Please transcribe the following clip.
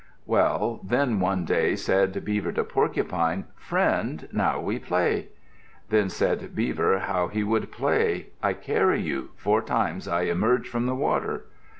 Well, then one day, said Beaver to Porcupine: "Friend, now we play." Then said Beaver how he would play: "I carry you. Four times I emerge from the water."